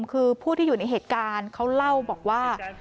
คือผู้ที่อยู่ในเหตุการณ์เขาเล่าบอกว่า